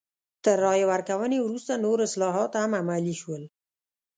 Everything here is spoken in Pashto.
تر رایې ورکونې وروسته نور اصلاحات هم عملي شول.